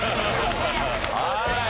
はい。